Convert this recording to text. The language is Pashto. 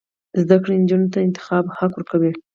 زده کړه نجونو ته د انتخاب حق ورکوي.